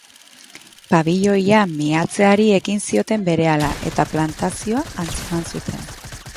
Pabiloia miatzeari ekin zioten berehala, eta plantazioa atzeman zuten.